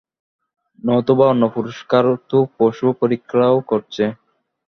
নতুবা অন্য পুরুষকার তো পশু-পক্ষীরাও করছে।